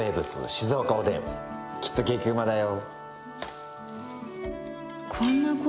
静岡おでんきっと激うまだよ